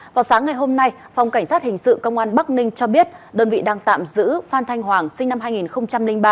vào sáng ngày hôm nay phòng cảnh sát hình sự công an bắc ninh cho biết đơn vị đang tạm giữ phan thanh hoàng sinh năm hai nghìn ba